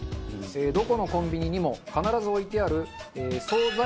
どこのコンビニにも必ず置いてある惣菜